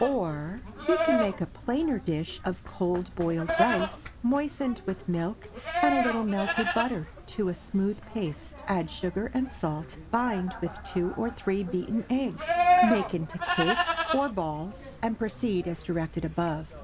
Or, You can make a plainer dish of cold boiled rice, moistened with milk and a little melted butter to a smooth paste. Add sugar and salt, bind with two or three beaten eggs; make into cakes or balls, and proceed as directed above.